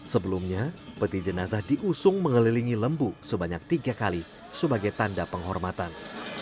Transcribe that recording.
sebelumnya peti jenazah diusung mengelilingi lembu sebanyak tiga kali sebagai tanda penghormatan